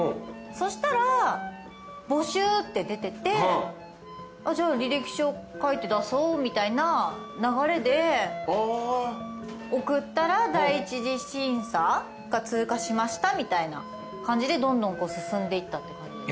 そしたら「募集」って出ててじゃあ履歴書書いて出そうみたいな流れで送ったら第一次審査が通過しましたみたいな感じでどんどん進んでいったって感じです。